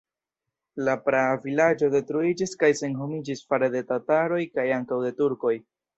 La praa vilaĝo detruiĝis kaj senhomiĝis fare de tataroj kaj ankaŭ de turkoj.